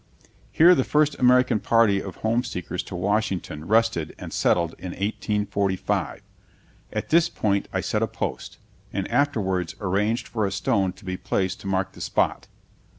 Here the first American party of homeseekers to Washington rested and settled in 1845. At this point I set a post, and afterwards arranged for a stone to be placed to mark the spot.